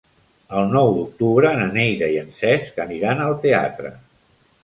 El nou d'octubre na Neida i en Cesc aniran al teatre.